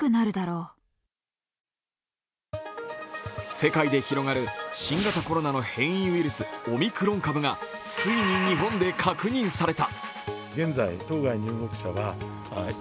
世界で広がる新型コロナの変異ウイルス、オミクロン株が、ついに日本で確認された。